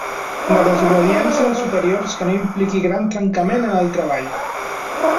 La desobediència als superiors que no impliqui gran trencament en el treball.